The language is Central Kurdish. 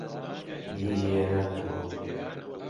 بیری لێ ناکەمەوە.